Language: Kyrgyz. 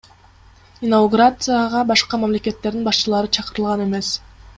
Инаугурацияга башка мамлекеттердин башчылары чакырылган эмес.